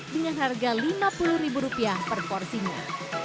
dengan harga rp lima puluh ribu rupiah per porsinya